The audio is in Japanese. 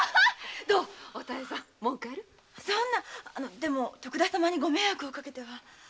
でも徳田様にご迷惑をおかけしては。